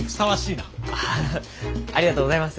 アハハありがとうございます。